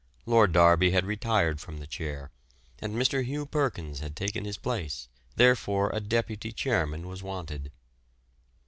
Lord Derby had retired from the chair, and Mr. Hugh Perkins had taken his place, therefore a deputy chairman was wanted.